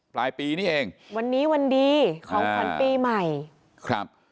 ปลายปีนี้เองวันนี้วันดีของขวัญปีใหม่ครับ